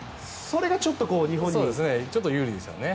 ちょっと有利ですよね。